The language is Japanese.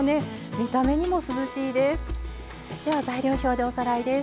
見た目にも涼しいです。